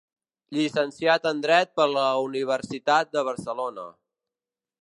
Llicenciat en Dret per la Universitat de Barcelona.